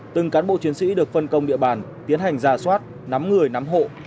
từng cán bộ chiến sĩ được phân công địa bàn tiến hành ra soát nắm người nắm hộ